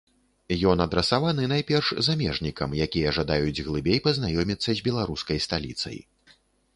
Ён адрасаваны, найперш, замежнікам, якія жадаюць глыбей пазнаёміцца з беларускай сталіцай.